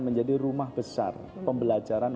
menjadi rumah besar pembelajaran